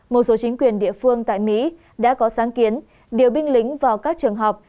một số chính quyền địa phương tại mỹ đã có sáng kiến điều binh lính vào các trường học